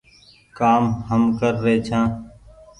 ڪآم هم ڪر رهي ڇآن